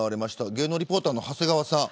芸能リポーターの長谷川さん。